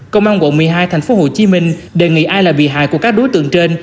công an quận một mươi hai tp hcm đề nghị ai là bị hại của các đối tượng trên